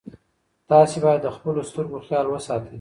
تاسي باید د خپلو سترګو خیال وساتئ.